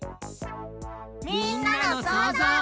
みんなのそうぞう。